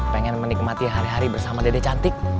pengen menikmati hari hari bersama dede cantik